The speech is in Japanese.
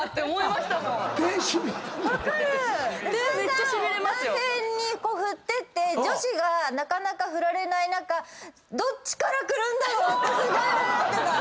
男性に振ってって女子がなかなか振られない中どっちからくるんだろうってすごい思ってた。